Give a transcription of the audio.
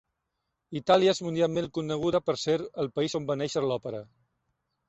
Itàlia és mundialment coneguda per ser el país on va néixer l'òpera.